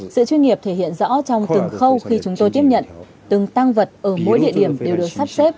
sự chuyên nghiệp thể hiện rõ trong từng khâu khi chúng tôi tiếp nhận từng tăng vật ở mỗi địa điểm đều được sắp xếp